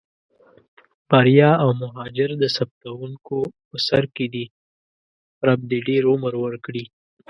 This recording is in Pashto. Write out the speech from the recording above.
بریال او مهاجر د ثبتوونکو په سر کې دي، رب دې ډېر عمر ورکړي.